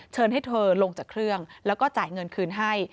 ให้เธอลงจากเครื่องแล้วก็จ่ายเงินคืนให้